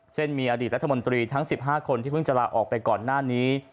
เช่นมีอดีตรัฐมนตรีทั้ง๑๕คนที่เพิ่งจะลาออกไปก่อนหน้านี้